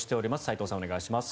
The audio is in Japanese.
お願いします。